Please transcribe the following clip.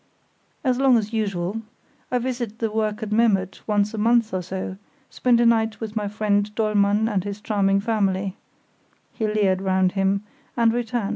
"As long as usual. I visit the work at Memmert once a month or so, spend a night with my friend Dollmann and his charming family" (he leered round him), "and return."